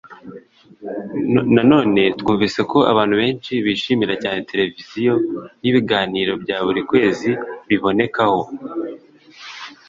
Nanone twumvise ko abantu benshi bishimira cyane televiziyo n’ibiganiro bya buri kwezi bibonekaho